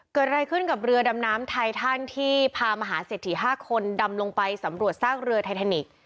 เกิดอะไรขึ้นกับเรือดำน้ำไททันที่พามหาเศรษฐี๕คนดำลงไปสำรวจซากเรือไทแทนิกส์